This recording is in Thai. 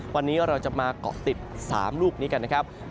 วันนี้เราจะมาเกาะติด๓ลูกนี้กันนะครับ